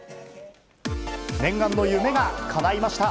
念願の夢がかないました。